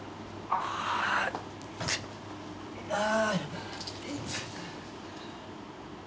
ああ。